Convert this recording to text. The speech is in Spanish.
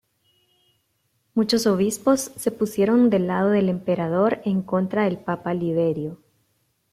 Muchos obispos se pusieron del lado del Emperador en contra del papa Liberio.